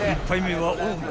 ［１杯目は］